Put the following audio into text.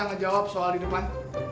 ngejawab soal di depan